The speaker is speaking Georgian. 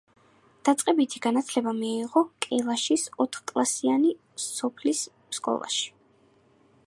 დაწყებითი განათლება მიიღო კულაშის ოთხკლასიან სოფლის სკოლაში.